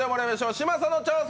嶋佐の挑戦。